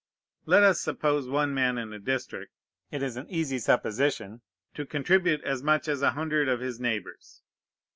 Let us suppose one man in a district (it is an easy supposition) to contribute as much as a hundred of his neighbors.